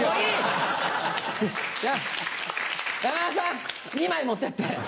山田さん２枚持ってって。